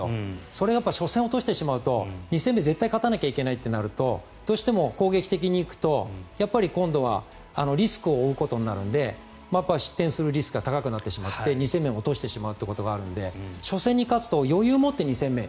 それが初戦を落としてしまうと２戦目、絶対に勝たなきゃいけないってなるとどうしても攻撃的にいくとやっぱり今度はリスクを負うことになるので失点するリスクが高くなってしまって２戦目を落としてしまうということがあるので初戦に勝つと余裕を持って２戦目